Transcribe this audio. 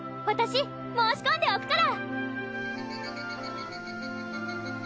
私申し込んでおくから！